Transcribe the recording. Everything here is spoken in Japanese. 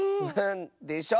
でしょ？